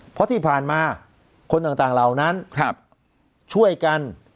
เพราะที่ผ่านมาคนต่างเหล่านั้นช่วยกัน